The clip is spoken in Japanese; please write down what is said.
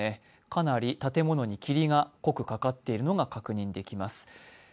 かなり建物に霧が濃くかかっていくのが確認できます。